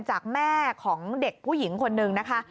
จากแม่ของเด็กผู้หญิงคนนึงนะคะ